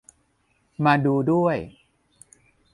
มาดูด้วย